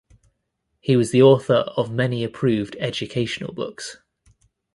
He was the author of many approved educational books.